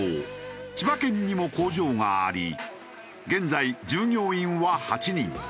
千葉県にも工場があり現在従業員は８人。